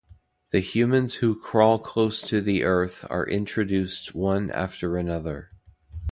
The "humans who crawl close to the earth" are introduced one after another.